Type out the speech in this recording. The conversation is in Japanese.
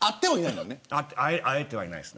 会えてはいないです。